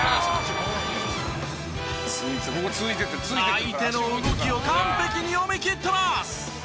相手の動きを完璧に読み切ってます。